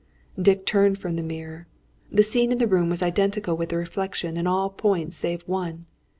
Dick turned from the mirror. The scene in the room was identical with the reflection, in all points save one.